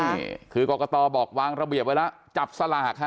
นี่คือกรกตบอกวางระเบียบไว้แล้วจับสลากฮะ